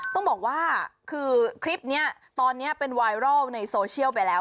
ต้องบอกว่าคือคลิปนี้ตอนนี้เป็นไวรัลในโซเชียลไปแล้ว